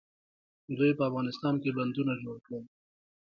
دوی په افغانستان کې بندونه جوړ کړل.